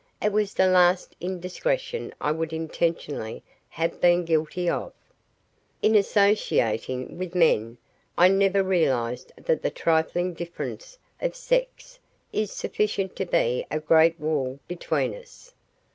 It was the last indiscretion I would intentionally have been guilty of. In associating with men I never realize that the trifling difference of sex is sufficient to be a great wall between us.